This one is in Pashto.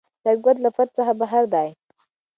دا واقعیت له فرد څخه بهر دی.